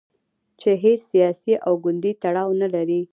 چې هیڅ سیاسي او ګوندي تړاو نه لري.